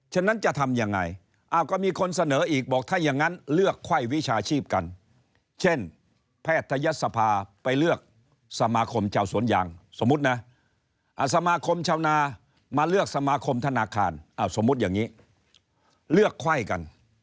ฉะนั้นจะทำยังไงก็มีคนเสนออีกบอกถ้าอย่างนั้นเลือกไข้วิชาชีพกันเช่นแพทยศภาไปเลือกสมาคมชาวสวนยางสมมุตินะสมาคมชาวนามาเลือกสมาคมธนาคารสมมุติอย่างนี้เลือกไข้กัน